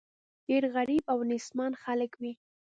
ډېر غریب او نېستمن خلک وي.